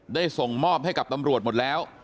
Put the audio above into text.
ส่งมอบให้กับตำรวจหมดแล้ว